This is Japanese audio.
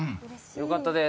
よかったです。